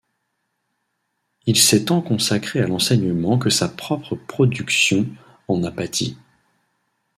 Il s'est tant consacré à l'enseignement que sa propre production en a pâti.